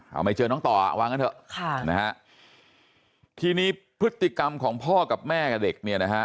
เอาไม่เจอน้องต่อวางกันเถอะค่ะนะฮะทีนี้พฤติกรรมของพ่อกับแม่กับเด็กเนี่ยนะฮะ